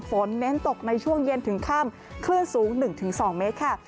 เน้นตกในช่วงเย็นถึงค่ำคลื่นสูง๑๒เมตรค่ะ